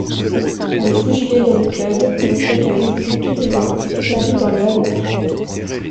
Le Fougilet Land Club, un club de véhicules tout-terrain est établi dans le hameau.